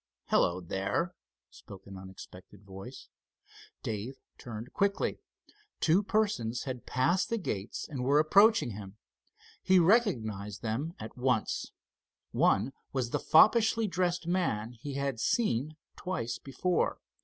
"Hello, there!" spoke an unexpected voice. Dave turned quickly. Two persons had passed the gates and were approaching him. He recognized them at once. One was the foppishly dressed man he had seen twice before.